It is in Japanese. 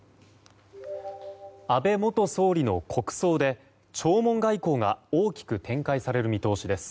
安倍元総理の国葬で弔問外交が大きく展開される見通しです。